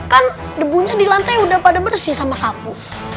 kan debunya di lantai udah pada bersih sama sapu